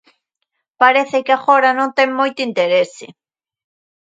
Parece que agora non ten moito interese.